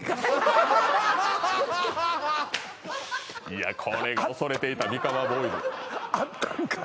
いやこれが恐れていたミカワボーイズ